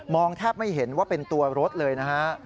แทบไม่เห็นว่าเป็นตัวรถเลยนะฮะ